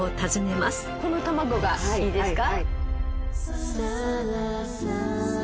このたまごがいいですか？